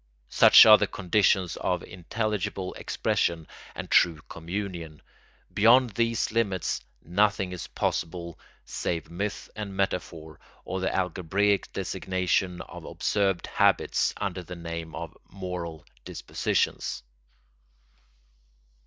Such are the conditions of intelligible expression and true communion; beyond these limits nothing is possible save myth and metaphor, or the algebraic designation of observed habits under the name of moral dispositions.